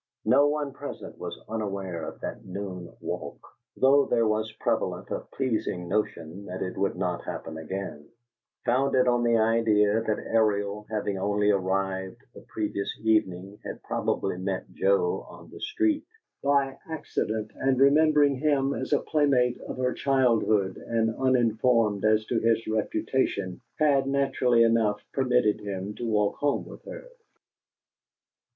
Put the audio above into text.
No one present was unaware of that noon walk, though there was prevalent a pleasing notion that it would not happen again, founded on the idea that Ariel, having only arrived the previous evening, had probably met Joe on the street by accident, and, remembering him as a playmate of her childhood and uninformed as to his reputation, had, naturally enough, permitted him to walk home with her.